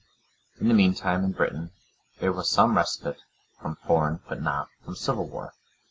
In the meantime, in Britain, there was some respite from foreign, but not from civil war.